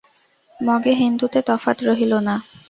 মগে হিন্দুতে তফাত রহিল কী!